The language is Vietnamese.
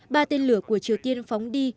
ba tên lửa của triều tiên phóng đi